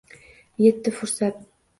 Yetdi fursat